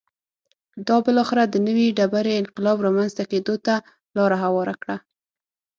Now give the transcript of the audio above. دا بالاخره د نوې ډبرې انقلاب رامنځته کېدو ته لار هواره کړه